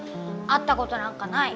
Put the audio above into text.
会ったことなんかない。